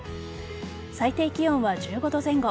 最低気温は１５度前後。